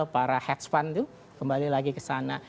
para hedge fund tuh kembali lagi ke sana